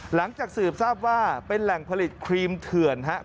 หลังจากสืบทราบว่าเป็นแหล่งผลิตครีมเถื่อนครับ